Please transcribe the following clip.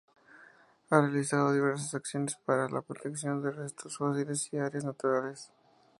Ha realizado diversas acciones para la protección de restos fósiles y áreas naturales.